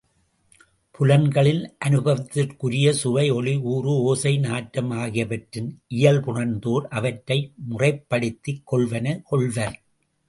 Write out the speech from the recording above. புலன்களின் அனுபவத்திற்குரிய சுவை ஒளி ஊறுஒசை நாற்றம் ஆகியவற்றின் இயல்புணர்ந்தோர் அவற்றை முறைப்படுத்திக் கொள்வன கொள்வர்.